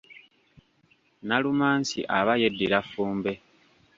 Nalumansi aba yeddira Ffumbe.